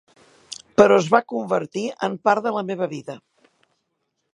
Però es va convertir en part de la meva vida.